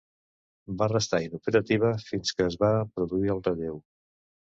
Va restar inoperativa fins que es va produir el relleu.